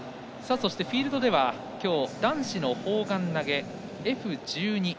そしてフィールドでは今日、男子の砲丸投げＦ１２